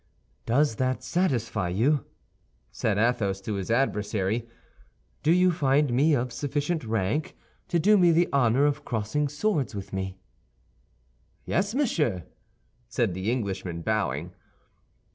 "Does that satisfy you?" said Athos to his adversary. "Do you find me of sufficient rank to do me the honor of crossing swords with me?" "Yes, monsieur," said the Englishman, bowing.